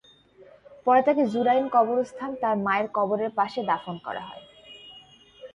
পরে তাঁকে জুরাইন কবরস্থানে তাঁর মায়ের কবরের পাশে দাফন করা হয়।